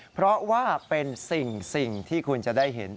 เพราะว่าเป็นสิ่งที่คุณจะได้เห็น